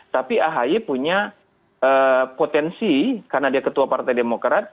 tapi ahy punya potensi karena dia ketua partai demokrat